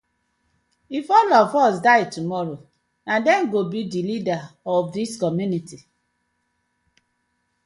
If all of us die tomorrow, na dem go bi the leaders of dis community.